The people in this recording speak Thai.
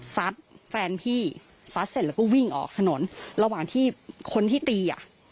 แฟนพี่ซัดเสร็จแล้วก็วิ่งออกถนนระหว่างที่คนที่ตีอ่ะ